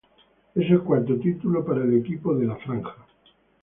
Es el cuarto título para el equipo de "La Franja".